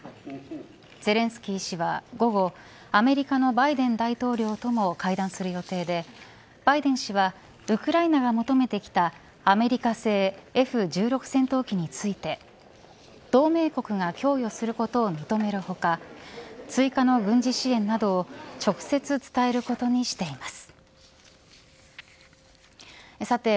ゼレンスキー氏は午後アメリカのバイデン大統領とも会談する予定でバイデン氏はウクライナが求めてきたアメリカ製Ｆ−１６戦闘機について同盟国が供与することを認める他追加の軍事支援などを直接、伝えることにしています。